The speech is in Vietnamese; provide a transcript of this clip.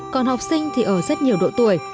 còn học sinh thì ở rất nhiều độ tuổi